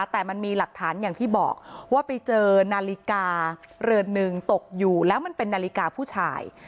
แต่มันมีหลักฐานอย่างที่บอกว่าไปเจอนาฬิกาเรือนหนึ่งตกอยู่แล้วมันเป็นนาฬิกาผู้ชาย